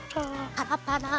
パラパラ。